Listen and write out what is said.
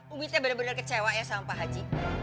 umitnya bener bener kecewa ya sama pak haji